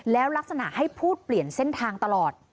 แล้วลักษณะให้พูดเปลี่ยนเส้นทางตลอด